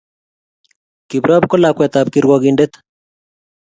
kiprop ko lakwet ab kirwakindet